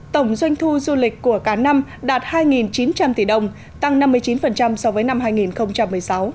tổng doanh thu du lịch của cả năm đạt hai chín trăm linh tỷ đồng tăng năm mươi chín so với năm hai nghìn một mươi sáu